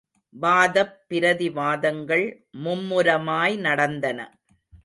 வாதப் பிரதி வாதங்கள் மும்முரமாய் நடந்தன.